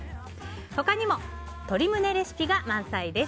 他にも鶏胸レシピが満載です。